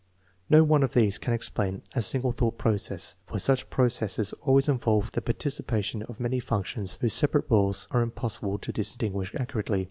No one of these can explain a single thought process, for such process always involves the participation of many functions whose separate rdles are impossible to distin guish accurately.